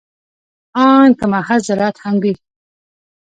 ان که محض زراعت هم وي.